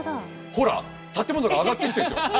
ほら建物が上がってるんですよ。